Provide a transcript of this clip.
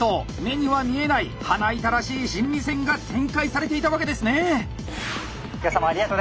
目には見えない花板らしい心理戦が展開されていたわけですね！